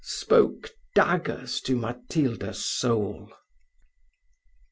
spoke daggers to Matilda's soul.